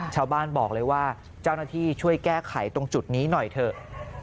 ชาวบ้านบอกเลยว่าเจ้าหน้าที่ช่วยแก้ไขตรงจุดนี้หน่อยเถอะ